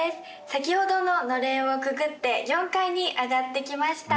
先ほどののれんをくぐって４階に上がってきました